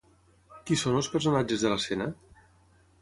Qui són els personatges de l'escena?